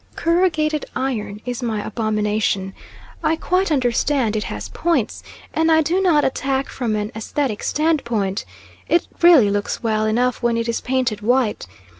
Corrugated iron is my abomination. I quite understand it has points, and I do not attack from an aesthetic standpoint. It really looks well enough when it is painted white.